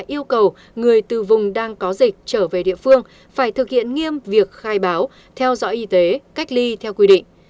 yêu cầu người từ vùng đang có dịch trở về địa phương phải thực hiện nghiêm việc khai báo theo dõi y tế cách ly theo quy định